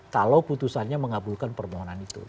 kalau putusannya mengabulkan permohonan itu